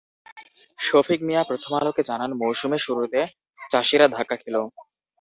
শফিক মিয়া প্রথম আলোকে জানান, মৌসুমে শুরুতে চাষিরা ধাক্কা খেল।